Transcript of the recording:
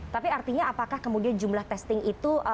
tapi artinya apakah kemudian jumlah testing itu